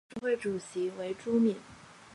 董事会主席为朱敏。